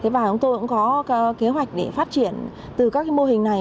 và chúng tôi cũng có kế hoạch để phát triển từ các mô hình này